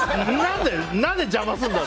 何で邪魔するんだ！